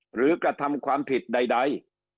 หรือกระทำความผิดใด